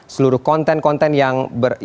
seluruh konten konten yang